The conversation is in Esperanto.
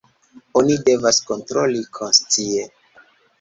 Oni devas kontroli konscie.